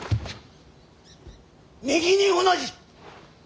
右に同じ。